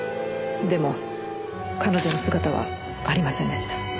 でも彼女の姿はありませんでした。